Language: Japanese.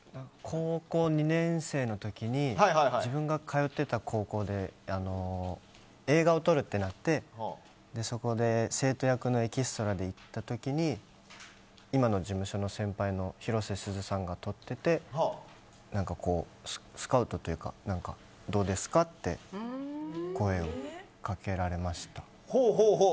高校２年生の時に自分が通ってた高校で映画を撮るってなってそこで、生徒役のエキストラで行った時に今の事務所の先輩の広瀬すずさんが撮っててスカウトというかどうですかって声をかけられました。